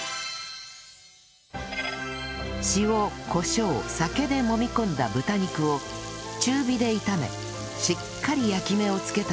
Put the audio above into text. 塩コショウ酒でもみ込んだ豚肉を中火で炒めしっかり焼き目をつけたら